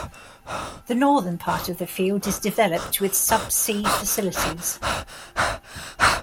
The northern part of the field is developed with subsea facilities.